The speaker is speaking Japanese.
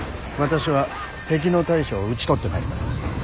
私は敵の大将を討ち取ってまいります。